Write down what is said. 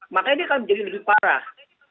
makanya dia akan menjadi lebih parah